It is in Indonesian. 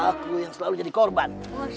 aku yang selalu jadi korban